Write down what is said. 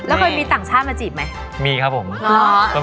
แล้วเคยมีต่างชาติมาจีบไหม